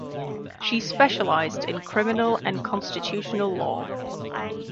She specialised in criminal and constitutional law.